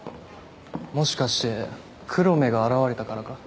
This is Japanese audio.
もしかして黒目が現れたからか？